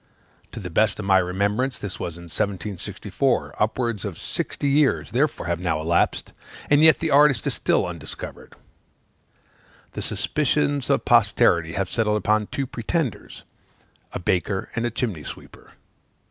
To the best of my remembrance, this was in 1764; upwards of sixty years, therefore, have now elapsed, and yet the artist is still undiscovered. The suspicions of posterity have settled upon two pretenders a baker and a chimney sweeper.